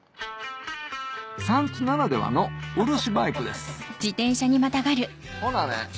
産地ならではの漆バイクですほなね。